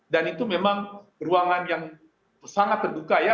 dan itu memang ruangan yang sangat keduka ya